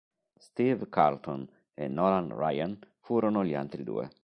Steve Carlton e Nolan Ryan furono gli altri due.